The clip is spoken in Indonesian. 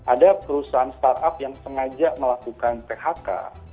ada perusahaan startup yang sengaja melakukan phk